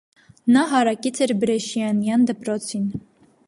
Նա հարակից էր բրեշիանյան դպրոցին։